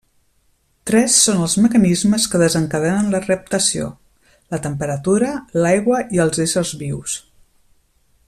Tres són els mecanismes que desencadenen la reptació: la temperatura, l'aigua i els éssers vius.